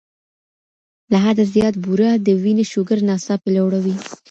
له حده زیات بوره د وینې شوګر ناڅاپي لوړوي.